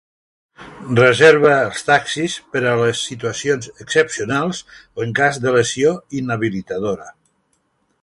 Reserva els taxis per a les situacions excepcionals o en cas de lesió inhabilitadora.